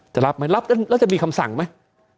จะรับไหมรับแล้วจะมีคำสั่งไหม